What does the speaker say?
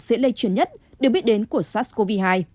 sẽ lây chuyển nhất được biết đến của sars cov hai